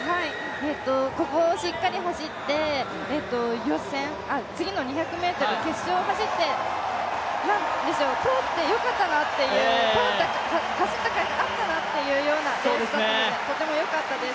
ここをしっかり走って次の２００ｍ決勝を走って通ってよかったなって、走った甲斐があったなっていうレースでとてもよかったです。